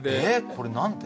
これ何で？